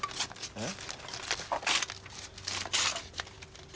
えっ。